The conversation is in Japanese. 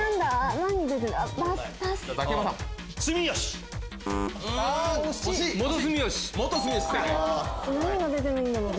何が出てないんだろう？